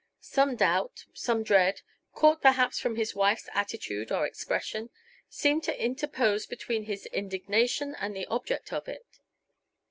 Some doubt, some dread caught perhaps from his wife's attitude or expression seemed to interpose between his indignation and the object of it.